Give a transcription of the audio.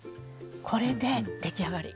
これで出来上がり。